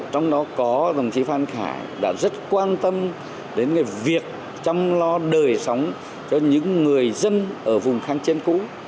trong đó có đồng chí phan khải đã rất quan tâm đến việc chăm lo đời sống cho những người dân ở vùng khăn trên cũ